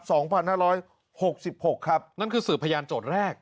สองพันห้าร้อยหกสิบหกครับนั่นคือสืบพยานโจทย์แรก